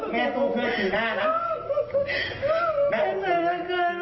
ไม่ได้บอกหนูไม่ได้บอกหนูว่าโรค